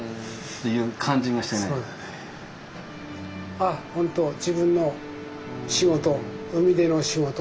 あっ本当自分の仕事海での仕事